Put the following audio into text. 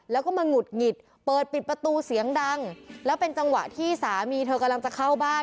แล้วก็มาหงุดหงิดเปิดปิดประตูเสียงดังแล้วเป็นจังหวะที่สามีเธอกำลังจะเข้าบ้าน